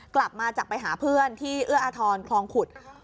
กลับมาจากไปหาเพื่อนที่เอื้ออาทรคลองขุด